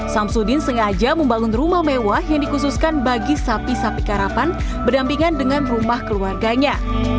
samsudin sengaja membangun rumah mewah yang dikhususkan bagi sapi sapi karapan berdampingan dengan rumah keluarganya